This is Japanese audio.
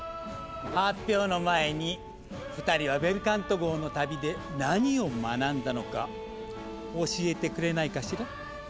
発表の前に２人はベルカント号の旅で何を学んだのか教えてくれないかしら。